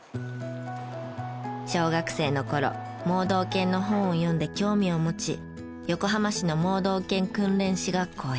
小学生の頃盲導犬の本を読んで興味を持ち横浜市の盲導犬訓練士学校へ。